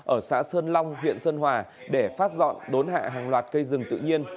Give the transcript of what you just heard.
ở xã sơn long huyện sơn hòa để phát dọn đốn hạ hàng loạt cây rừng tự nhiên